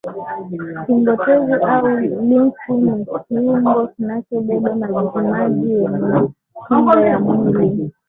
shingo tezi au limfu ni kiungo kinachobeba majimaji yenye kinga ya mwili